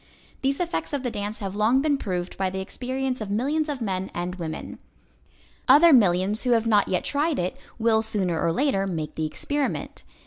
These effects of the dance have long been proved by the experience of millions of men and women. Other millions who have not yet tried it will sooner or later make the experiment.